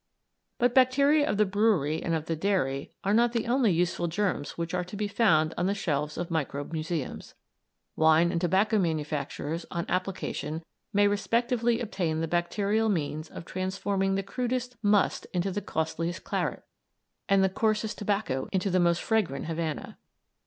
But bacteria of the brewery and of the dairy are not the only useful germs which are to be found on the shelves of microbe museums. Wine and tobacco manufacturers on application may respectively obtain the bacterial means of transforming the crudest must into the costliest claret, and the coarsest tobacco into the most fragrant Havana.